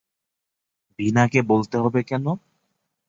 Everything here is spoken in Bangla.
ভীনাকে বলতে হবে কেন?